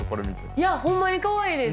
いやほんまにかわいいです。